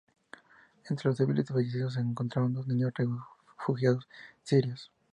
Entre los civiles fallecidos se encontraban dos niños refugiados sirios.